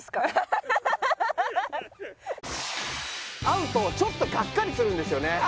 会うとちょっとがっかりするんですよね。